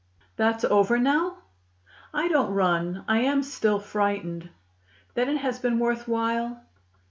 "That's over now?" "I don't run. I am still frightened." "Then it has been worth while?"